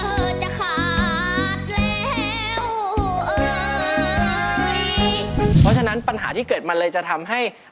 เพราะฉะนั้นปัญหาที่เกิดมันเลยจะทำให้